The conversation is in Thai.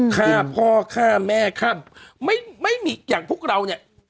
ฆ่าพ่อฆ่าแม่ไม่มีอย่างพวกเรา